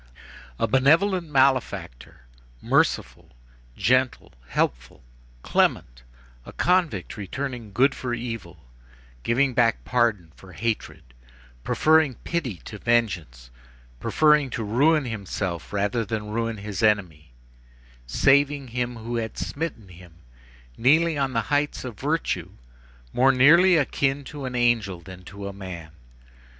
A benevolent malefactor, merciful, gentle, helpful, clement, a convict, returning good for evil, giving back pardon for hatred, preferring pity to vengeance, preferring to ruin himself rather than to ruin his enemy, saving him who had smitten him, kneeling on the heights of virtue, more nearly akin to an angel than to a man.